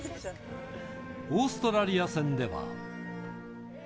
オーストラリア戦では。